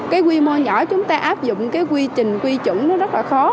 cái quy mô nhỏ chúng ta áp dụng cái quy trình quy chuẩn nó rất là khó